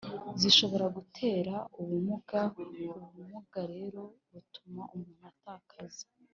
zishobora gutera ubumuga. ubumuga rero butuma umuntu atakaza